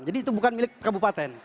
jadi itu bukan milik kabupaten